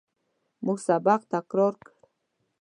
موږ سبق تکرار کړ.